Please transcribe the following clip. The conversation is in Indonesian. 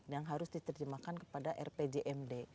yang harus diterjemahkan kepada rpjmd